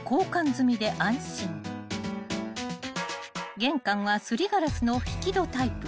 ［玄関はすりガラスの引き戸タイプ］